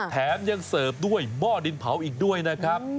แถมยังเสิร์ฟด้วยหม้อดินเผาอีกด้วยนะครับ